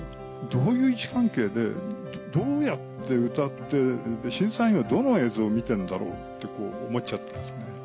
どういう位置関係でどうやって歌って審査員がどの映像を見てんだろうって思っちゃったんですね。